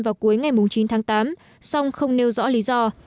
vào cuối ngày chín tháng tám song không nêu rõ lý do